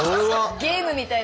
ゲームみたいな。